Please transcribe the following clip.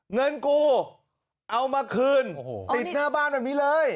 เงินกูเอามาคืนติดหน้าบ้านแบบนี้เลย